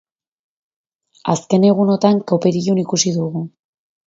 Azken egunotan kopetilun ikusi dugu.